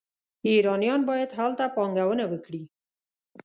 ایرانیان باید هلته پانګونه وکړي.